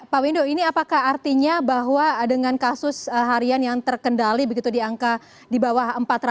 pak windu ini apakah artinya bahwa dengan kasus harian yang terkendali begitu di angka di bawah empat ratus